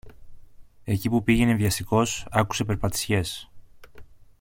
Εκεί που πήγαινε βιαστικός, άκουσε περπατησιές.